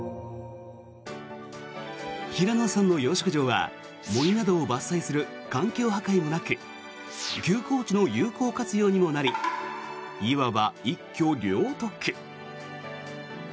平野さんの養殖場は森などを伐採する環境破壊もなく休耕地の有効活用にもなりいわば一挙両得。